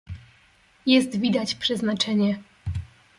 "Jest widać przeznaczenie."